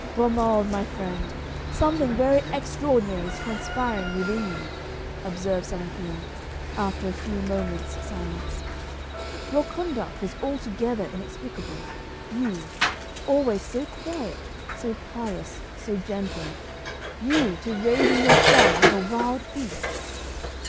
'Romuald, my friend, something very extraordinary is transpiring within you,' observed Sérapion, after a few moments' silence; 'your conduct is altogether inexplicable. You always so quiet, so pious, so gentle you to rage in your cell like a wild beast!